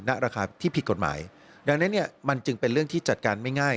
ราคาที่ผิดกฎหมายดังนั้นเนี่ยมันจึงเป็นเรื่องที่จัดการไม่ง่าย